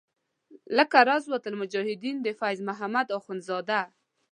لکه روضة المجاهدین د فیض محمد اخونزاده.